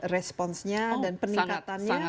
responsnya dan peningkatannya